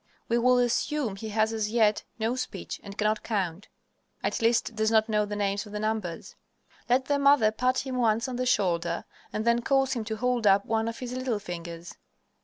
We will assume that he has as yet no speech, and cannot count, at least does not know the names of the numbers. Let the mother pat him once on the shoulder and then cause him to hold up one of his little fingers.